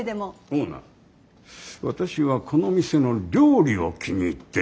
オーナー私はこの店の料理を気に入っている。